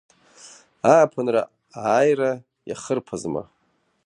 Ааԥынра ааира иахырԥазма…